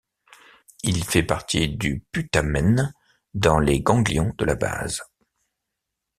Il fait partie du putamen, dans les ganglions de la base.